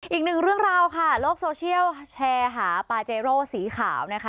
อีกหนึ่งเรื่องราวค่ะโลกโซเชียลแชร์หาปาเจโร่สีขาวนะคะ